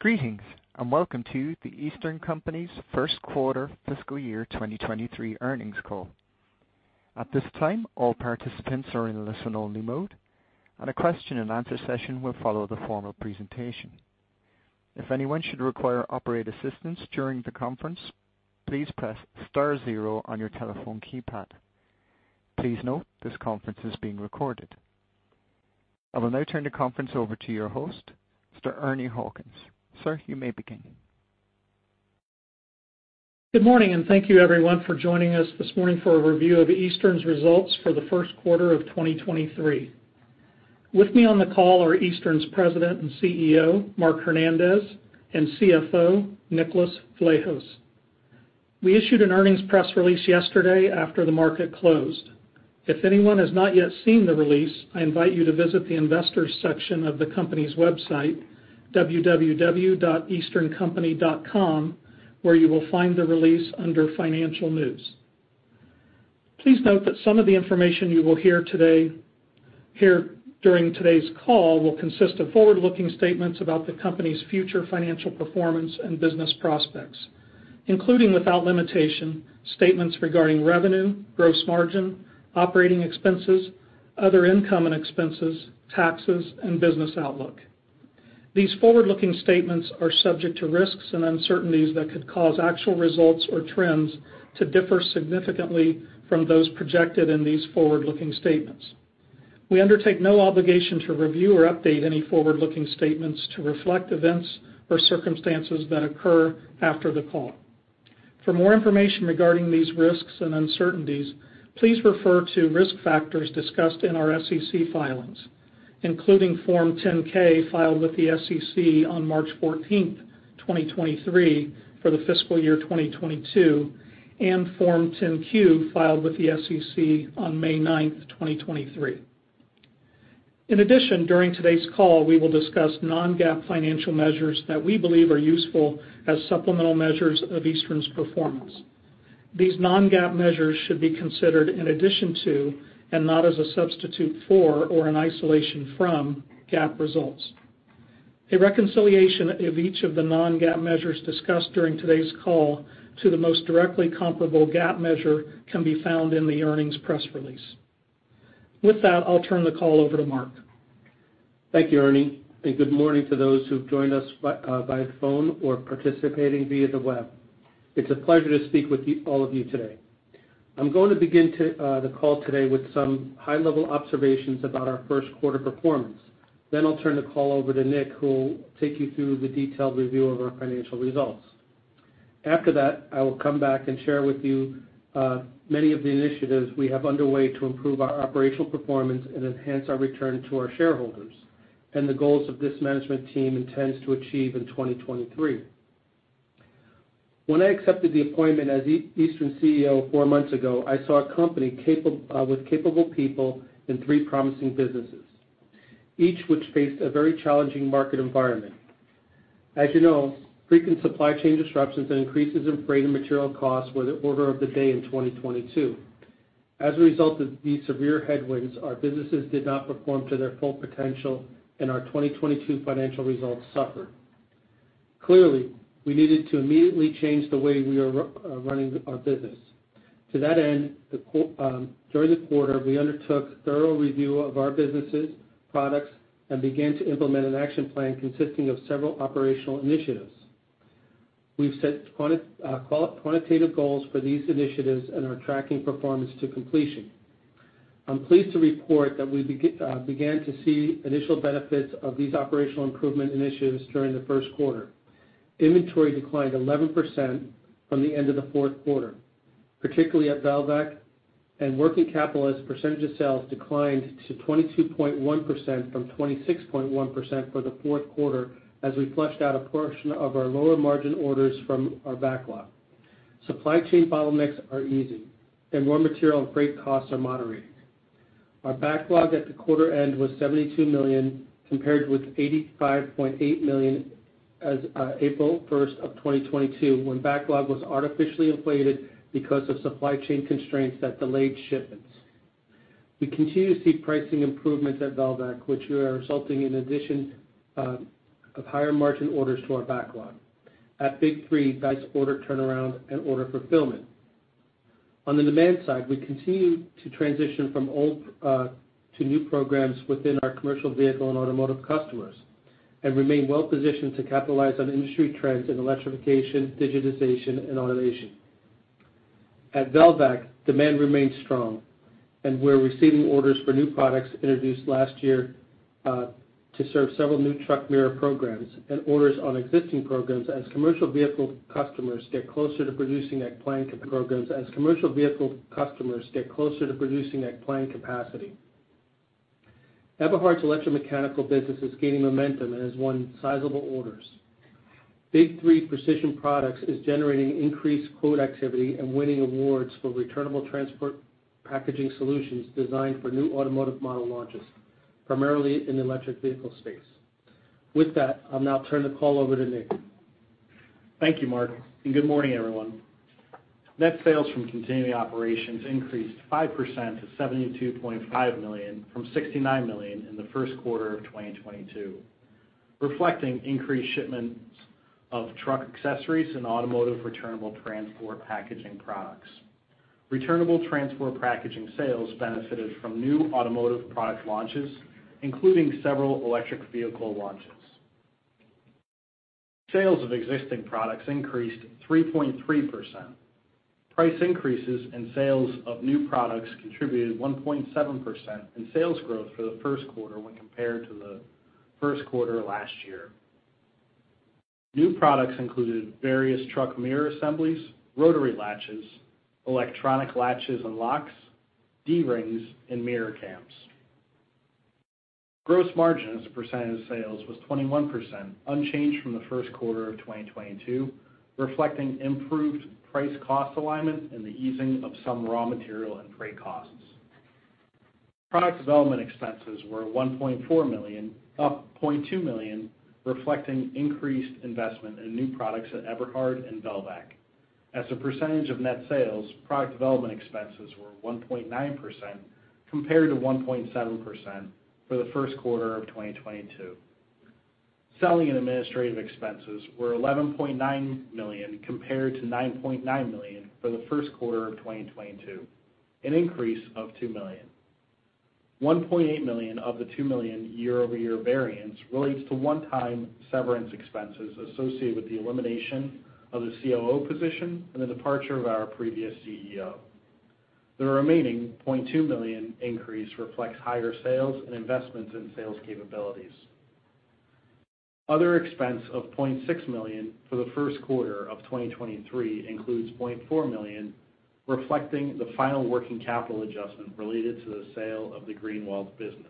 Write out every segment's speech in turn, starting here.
Greetings, welcome to The Eastern Company's first quarter fiscal year 2023 earnings call. At this time, all participants are in listen-only mode, and a question-and-answer session will follow the formal presentation. If anyone should require Operator assistance during the conference, please press star zero on your telephone keypad. Please note, this conference is being recorded. I will now turn the conference over to your host, Mr. Ernie Hawkins. Sir, you may begin. Good morning, thank you everyone for joining us this morning for a review of Eastern's results for the first quarter of 2023. With me on the call are Eastern's President and CEO, Mark Hernandez, and CFO, Nicholas Vlahos. We issued an earnings press release yesterday after the market closed. If anyone has not yet seen the release, I invite you to visit the investors section of the company's website, www.easterncompany.com, where you will find the release under financial news. Please note that some of the information you will hear during today's call will consist of forward-looking statements about the company's future financial performance and business prospects, including without limitation, statements regarding revenue, gross margin, operating expenses, other income and expenses, taxes, and business outlook. These forward-looking statements are subject to risks and uncertainties that could cause actual results or trends to differ significantly from those projected in these forward-looking statements. We undertake no obligation to review or update any forward-looking statements to reflect events or circumstances that occur after the call. For more information regarding these risks and uncertainties, please refer to risk factors discussed in our SEC filings, including Form 10-K filed with the SEC on March 14th, 2023 for the fiscal year 2022, and Form 10-Q filed with the SEC on May 9th, 2023. In addition, during today's call, we will discuss Non-GAAP financial measures that we believe are useful as supplemental measures of Eastern's performance. These Non-GAAP measures should be considered in addition to, and not as a substitute for or an isolation from GAAP results. A reconciliation of each of the Non-GAAP measures discussed during today's call to the most directly comparable GAAP measure can be found in the earnings press release. With that, I'll turn the call over to Mark. Thank you, Ernie, and good morning to those who've joined us by phone or participating via the web. It's a pleasure to speak with all of you today. I'm going to begin to the call today with some high-level observations about our first quarter performance. I'll turn the call over to Nick, who will take you through the detailed review of our financial results. After that, I will come back and share with you many of the initiatives we have underway to improve our operational performance and enhance our return to our shareholders, and the goals of this management team intends to achieve in 2023. When I accepted the appointment as Eastern CEO four months ago, I saw a company with capable people in three promising businesses, each which faced a very challenging market environment. As you know, frequent supply chain disruptions and increases in freight and material costs were the order of the day in 2022. As a result of these severe headwinds, our businesses did not perform to their full potential, and our 2022 financial results suffered. Clearly, we needed to immediately change the way we are running our business. To that end, during the quarter, we undertook thorough review of our businesses, products, and began to implement an action plan consisting of several operational initiatives. We've set quantitative goals for these initiatives and are tracking performance to completion. I'm pleased to report that I began to see initial benefits of these operational improvement initiatives during the first quarter. Inventory declined 11% from the end of the fourth quarter, particularly at Velvac, working capital as a percentage of sales declined to 22.1% from 26.1% for the fourth quarter as we flushed out a portion of our lower margin orders from our backlog. Supply chain bottlenecks are easing, raw material and freight costs are moderating. Our backlog at the quarter end was $72 million, compared with $85.8 million as April 1st of 2022, when backlog was artificially inflated because of supply chain constraints that delayed shipments. We continue to see pricing improvements at Velvac, which are resulting in addition of higher margin orders to our backlog. At Big 3, that's order turnaround and order fulfillment. On the demand side, we continue to transition from old to new programs within our commercial vehicle and automotive customers and remain well positioned to capitalize on industry trends in electrification, digitization, and automation. At Velvac, demand remains strong, and we're receiving orders for new products introduced last year to serve several new truck mirror programs and orders on existing programs as commercial vehicle customers get closer to producing at plan capacity. Eberhard's electromechanical business is gaining momentum and has won sizable orders. Big 3 Precision Products is generating increased quote activity and winning awards for returnable transport packaging solutions designed for new automotive model launches, primarily in the electric vehicle space. With that, I'll now turn the call over to Nick. Thank you, Mark, good morning, everyone. Net sales from continuing operations increased 5% to $72.5 million from $69 million in the first quarter of 2022, reflecting increased shipments of truck accessories and automotive returnable transport packaging products. Returnable transport packaging sales benefited from new automotive product launches, including several electric vehicle launches. Sales of existing products increased 3.3%. Price increases and sales of new products contributed 1.7% in sales growth for the first quarter when compared to the first quarter of last year. New products included various truck mirror assemblies, rotary latches, electronic latches and locks, D-rings and mirror cams. Gross margin as a percentage of sales was 21%, unchanged from the first quarter of 2022, reflecting improved price cost alignment and the easing of some raw material and freight costs. Product development expenses were $1.4 million, up $0.2 million, reflecting increased investment in new products at Eberhard and Velvac. As a percentage of net sales, product development expenses were 1.9% compared to 1.7% for the first quarter of 2022. Selling and administrative expenses were $11.9 million compared to $9.9 million for the first quarter of 2022, an increase of $2 million. $1.8 million of the $2 million year-over-year variance relates to one-time severance expenses associated with the elimination of the COO position and the departure of our previous CEO. The remaining $0.2 million increase reflects higher sales and investments in sales capabilities. Other expense of $0.6 million for the first quarter of 2023 includes $0.4 million, reflecting the final working capital adjustment related to the sale of the Greenwald business.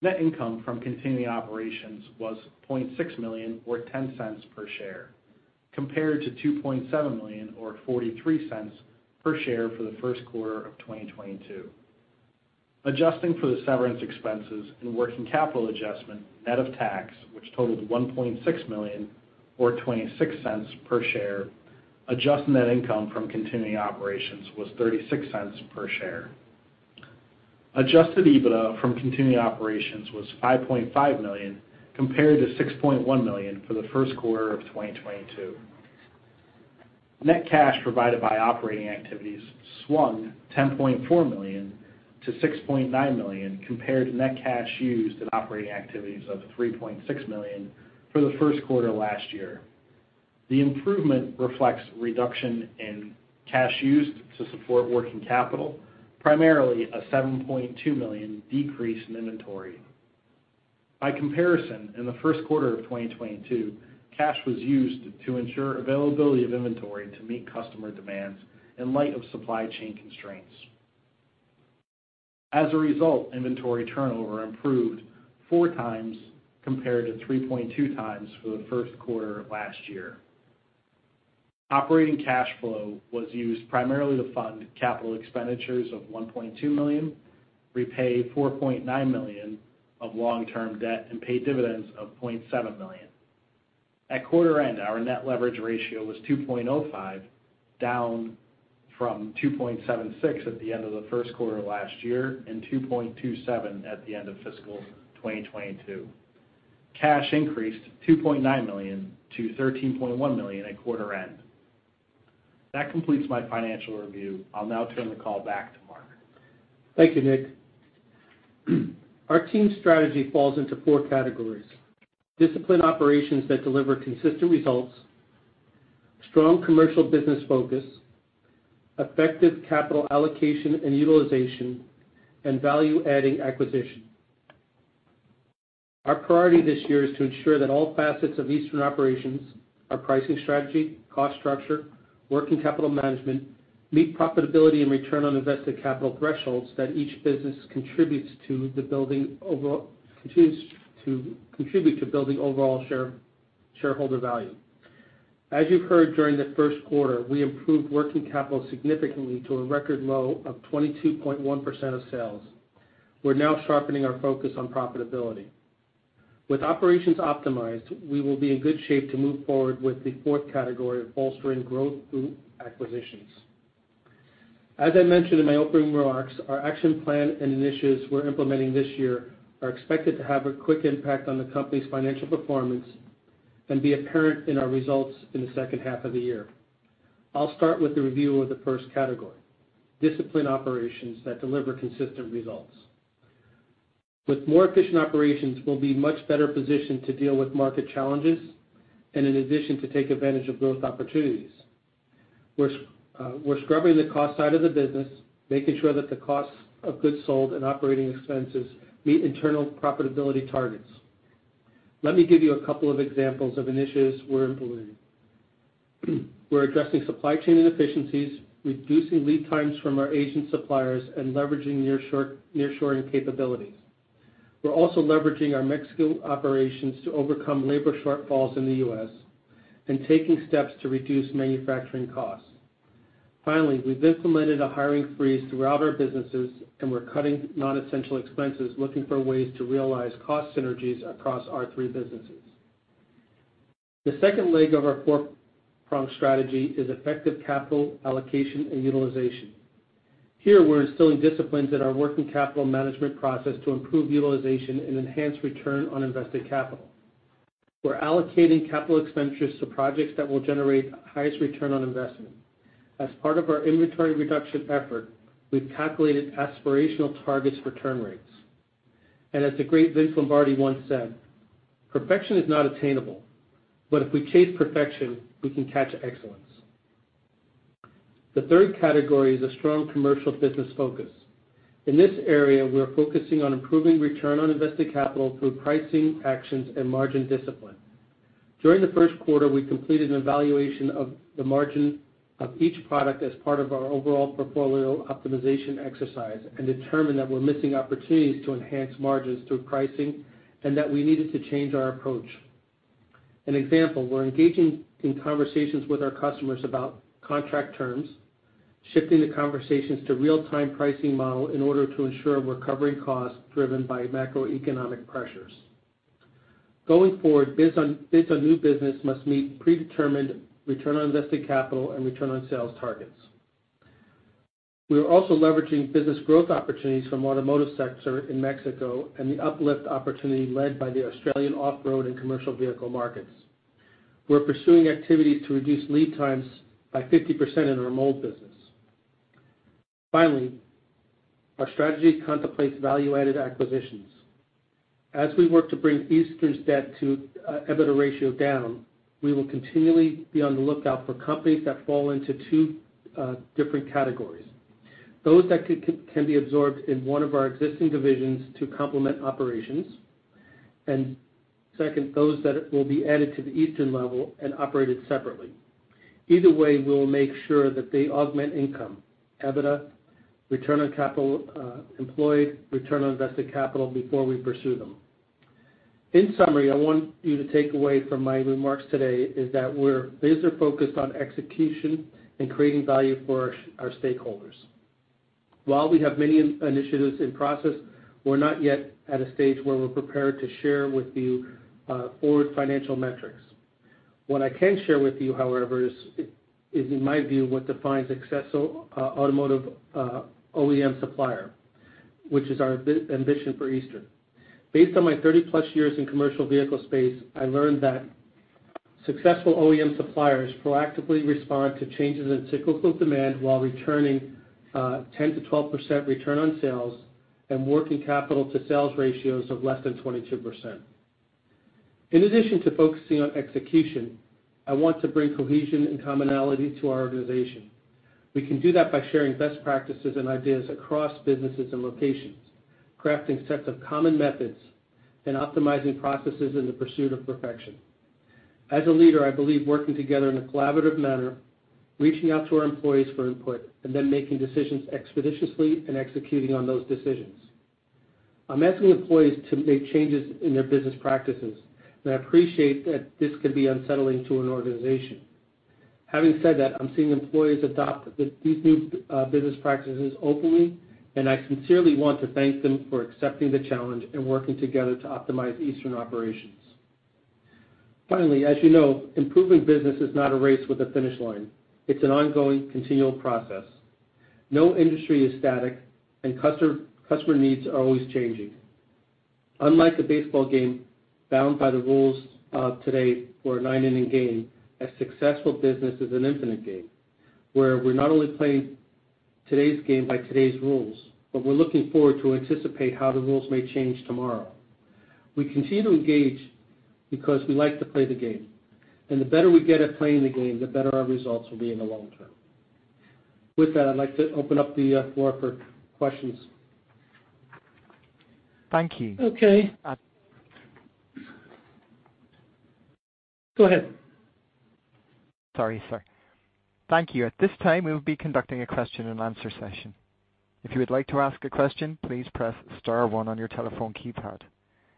Net income from continuing operations was $0.6 million or $0.10 per share, compared to $2.7 million or $0.43 per share for the first quarter of 2022. Adjusting for the severance expenses and working capital adjustment, net of tax, which totaled $1.6 million or $0.26 per share, adjusted net income from continuing operations was $0.36 per share. Adjusted EBITDA from continuing operations was $5.5 million compared to $6.1 million for the first quarter of 2022. Net cash provided by operating activities swung $10.4 million-$6.9 million compared to net cash used in operating activities of $3.6 million for the first quarter last year. The improvement reflects reduction in cash used to support working capital, primarily a $7.2 million decrease in inventory. By comparison, in the first quarter of 2022, cash was used to ensure availability of inventory to meet customer demands in light of supply chain constraints. As a result, inventory turnover improved 4x compared to 3.2x for the first quarter of last year. Operating cash flow was used primarily to fund capital expenditures of $1.2 million, repay $4.9 million of long-term debt, and pay dividends of $0.7 million. At quarter end, our net leverage ratio was 2.05, down from 2.76 at the end of the first quarter last year and 2.27 at the end of fiscal 2022. Cash increased to $0.9 million-$13.1 million at quarter end. That completes my financial review. I'll now turn the call back to Mark. Thank you, Nick. Our team strategy falls into four categories: disciplined operations that deliver consistent results, strong commercial business focus, effective capital allocation and utilization, and value-adding acquisition. Our priority this year is to ensure that all facets of Eastern operations, our pricing strategy, cost structure, working capital management, meet profitability and return on invested capital thresholds that each business contributes to the building contribute to building overall shareholder value. As you've heard during the first quarter, we improved working capital significantly to a record low of 22.1% of sales. We're now sharpening our focus on profitability. With operations optimized, we will be in good shape to move forward with the fourth category of bolstering growth through acquisitions. As I mentioned in my opening remarks, our action plan and initiatives we're implementing this year are expected to have a quick impact on the company's financial performance and be apparent in our results in the second half of the year. I'll start with the review of the first category, discipline operations that deliver consistent results. With more efficient operations, we'll be much better positioned to deal with market challenges and in addition, to take advantage of growth opportunities. We're scrubbing the cost side of the business, making sure that the cost of goods sold and operating expenses meet internal profitability targets. Let me give you a couple of examples of initiatives we're implementing. We're addressing supply chain inefficiencies, reducing lead times from our Asian suppliers, and leveraging nearshoring capabilities. We're also leveraging our Mexican operations to overcome labor shortfalls in the U.S. and taking steps to reduce manufacturing costs. Finally, we've implemented a hiring freeze throughout our businesses, and we're cutting non-essential expenses, looking for ways to realize cost synergies across our three businesses. The second leg of our four-pronged strategy is effective capital allocation and utilization. Here, we're instilling disciplines in our working capital management process to improve utilization and enhance return on invested capital. We're allocating capital expenditures to projects that will generate highest return on investment. As the great Vince Lombardi once said, "Perfection is not attainable. But if we chase perfection, we can catch excellence." The third category is a strong commercial business focus. In this area, we are focusing on improving return on invested capital through pricing actions and margin discipline. During the first quarter, we completed an evaluation of the margin of each product as part of our overall portfolio optimization exercise and determined that we're missing opportunities to enhance margins through pricing and that we needed to change our approach. An example, we're engaging in conversations with our customers about contract terms, shifting the conversations to real-time pricing model in order to ensure we're covering costs driven by macroeconomic pressures. Going forward, based on new business must meet predetermined return on invested capital and return on sales targets. We are also leveraging business growth opportunities from automotive sector in Mexico and the uplift opportunity led by the Australian off-road and commercial vehicle markets. We're pursuing activities to reduce lead times by 50% in our mold business. Finally, our strategy contemplates value-added acquisitions. As we work to bring Eastern's debt to EBITDA ratio down, we will continually be on the lookout for companies that fall into two different categories. Those that can be absorbed in one of our existing divisions to complement operations, and second, those that will be added to the Eastern level and operated separately. Either way, we'll make sure that they augment income, EBITDA, return on capital employed, return on invested capital before we pursue them. In summary, I want you to take away from my remarks today is that we're laser-focused on execution and creating value for our stakeholders. While we have many initiatives in process, we're not yet at a stage where we're prepared to share with you forward financial metrics. What I can share with you, however, is in my view, what defines successful automotive OEM supplier, which is our ambition for Eastern. Based on my 30+ years in commercial vehicle space, I learned that successful OEM suppliers proactively respond to changes in cyclical demand while returning 10%-12% return on sales and working capital to sales ratios of less than 22%. In addition to focusing on execution, I want to bring cohesion and commonality to our organization. We can do that by sharing best practices and ideas across businesses and locations, crafting sets of common methods, and optimizing processes in the pursuit of perfection. As a leader, I believe working together in a collaborative manner, reaching out to our employees for input, and then making decisions expeditiously and executing on those decisions. I'm asking employees to make changes in their business practices. I appreciate that this could be unsettling to an organization. Having said that, I'm seeing employees adopt these new business practices openly, and I sincerely want to thank them for accepting the challenge and working together to optimize Eastern operations. Finally, as you know, improving business is not a race with a finish line. It's an ongoing continual process. No industry is static, and customer needs are always changing. Unlike a baseball game bound by the rules of today or a nine-inning game, a successful business is an infinite game, where we're not only playing today's game by today's rules, but we're looking forward to anticipate how the rules may change tomorrow. We continue to engage because we like to play the game. The better we get at playing the game, the better our results will be in the long term. With that, I'd like to open up the floor for questions. Thank you. Okay. Uh- Go ahead. Sorry, sir. Thank you. At this time, we will be conducting a question and answer session. If you would like to ask a question, please press star one on your telephone keypad.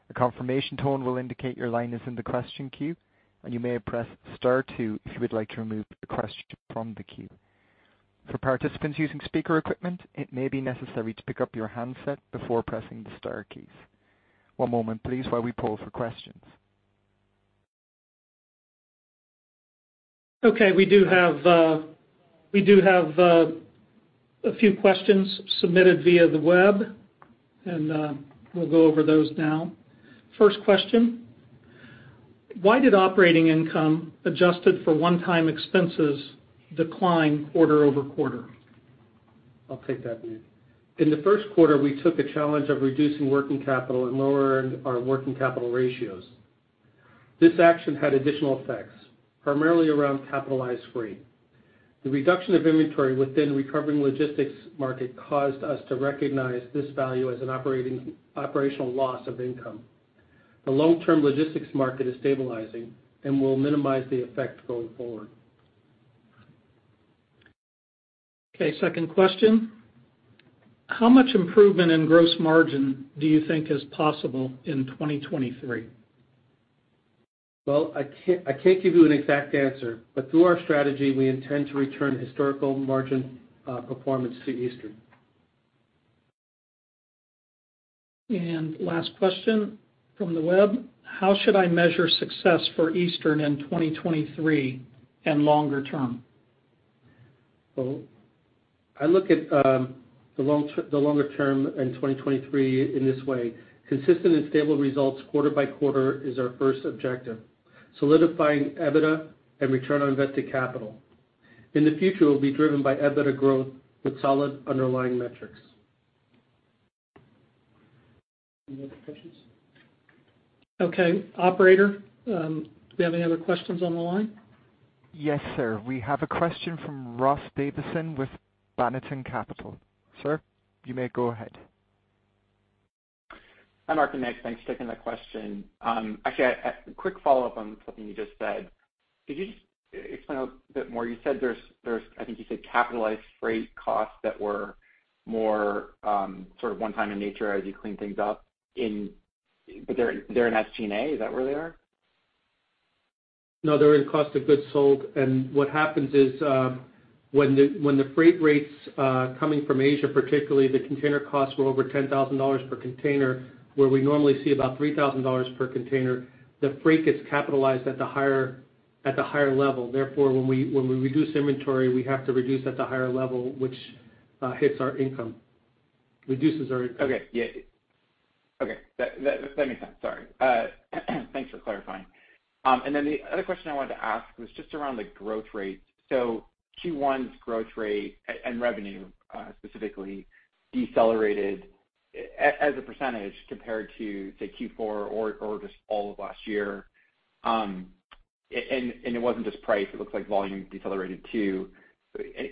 A confirmation tone will indicate your line is in the question queue, and you may press star two if you would like to remove the question from the queue. For participants using speaker equipment, it may be necessary to pick up your handset before pressing the star keys. One moment please while we poll for questions. Okay. We do have a few questions submitted via the web, we'll go over those now. First question: why did operating income adjusted for one-time expenses decline quarter-over-quarter? I'll take that, Neil. In the first quarter, we took the challenge of reducing working capital and lowered our working capital ratios. This action had additional effects, primarily around capitalized freight. The reduction of inventory within recovering logistics market caused us to recognize this value as an operational loss of income. The long-term logistics market is stabilizing and will minimize the effect going forward. Okay. Second question: how much improvement in gross margin do you think is possible in 2023? Well, I can't give you an exact answer, but through our strategy, we intend to return historical margin performance to Eastern. Last question from the web: How should I measure success for Eastern in 2023 and longer term? Well, I look at the longer term in 2023 in this way. Consistent and stable results quarter by quarter is our first objective. Solidifying EBITDA and return on invested capital. In the future, we'll be driven by EBITDA growth with solid underlying metrics. Any other questions? Okay. Operator, do we have any other questions on the line? Yes, sir. We have a question from Ross Davisson with Banneton Capital. Sir, you may go ahead. Hi, Mark and Nick. Thanks for taking the question. Actually a quick follow-up on something you just said. Could you just explain a bit more? You said there's, I think you said capitalized freight costs that were more, sort of one time in nature as you clean things up in... They're in SG&A, is that where they are? No, they're in cost of goods sold. What happens is, when the freight rates, coming from Asia, particularly the container costs were over $10,000 per container, where we normally see about $3,000 per container, the freight gets capitalized at the higher level. Therefore, when we, when we reduce inventory, we have to reduce at the higher level, which, hits our income. Reduces our income. Okay. Yeah. Okay. That makes sense. Sorry. Thanks for clarifying. The other question I wanted to ask was just around the growth rates. Q1's growth rate and revenue specifically decelerated as a % compared to, say, Q4 or just all of last year. It wasn't just price. It looks like volume decelerated too.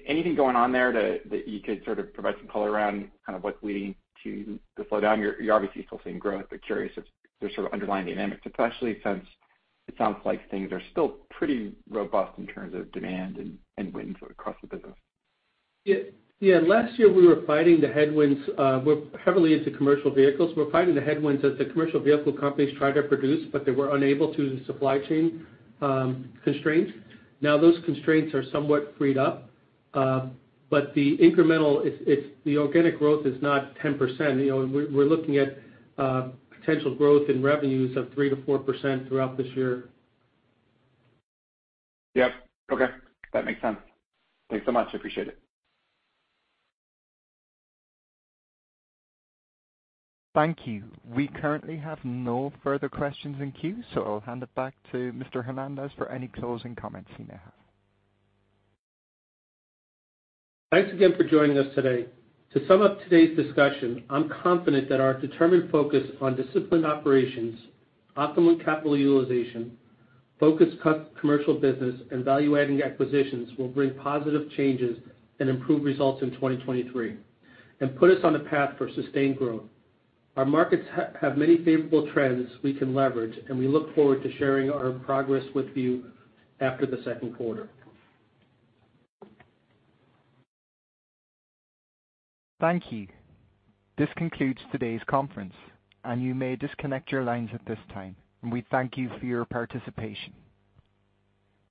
Anything going on there that you could sort of provide some color around, kind of what's leading to the slowdown? You're obviously still seeing growth. Curious if there's sort of underlying dynamics, especially since it sounds like things are still pretty robust in terms of demand and wins across the business. Yeah. Last year, we were fighting the headwinds. We're heavily into commercial vehicles. We're fighting the headwinds as the commercial vehicle companies try to produce, but they were unable to, the supply chain constraints. Now those constraints are somewhat freed up. The incremental, it's the organic growth is not 10%, you know. We're looking at potential growth in revenues of 3%-4% throughout this year. Yep. Okay. That makes sense. Thanks so much. Appreciate it. Thank you. We currently have no further questions in queue, so I'll hand it back to Mr. Hernandez for any closing comments he may have. Thanks again for joining us today. To sum up today's discussion, I'm confident that our determined focus on disciplined operations, optimal capital utilization, focused commercial business and value-adding acquisitions will bring positive changes and improve results in 2023 and put us on a path for sustained growth. Our markets have many favorable trends we can leverage. We look forward to sharing our progress with you after the second quarter. Thank you. This concludes today's conference, and you may disconnect your lines at this time. We thank you for your participation.